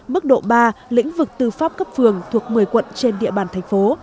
mức độ ba lĩnh vực tư pháp cấp phường thuộc một mươi quận trên địa bàn thành phố